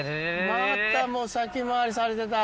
またもう先回りされてた。